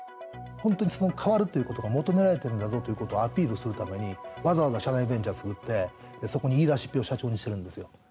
本当に変わるということが求められてるんだぞっていうことをアピールするために、わざわざ社内ベンチャー作って、そこに言いだしっぺを社長にしているんですよ。